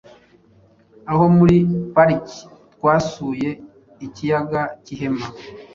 Aho muri pariki twasuye ikiyaga k’Ihema